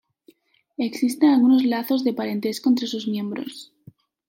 Existen algunos lazos de parentesco entre sus miembros.